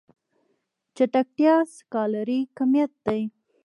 چټکتيا سکالري کميت دی.